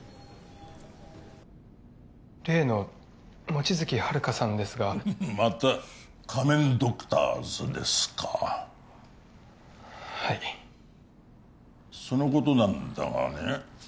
例の望月遙さんですがまた仮面ドクターズですかはいそのことなんだがね